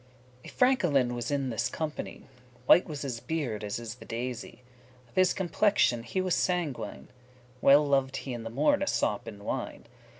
A FRANKELIN* was in this company; *Rich landowner White was his beard, as is the daisy. Of his complexion he was sanguine. Well lov'd he in the morn a sop in wine.